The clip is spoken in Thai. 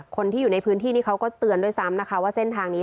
คนที่อยู่ในพื้นที่นี้เขาก็เตือนด้วยซ้ำนะคะว่าเส้นทางนี้